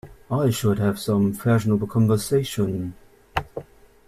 I should have some fashionable conversation.